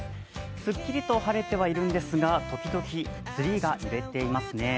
すっきりと晴れてはいるんですが、ときどきツリーが揺れていますね。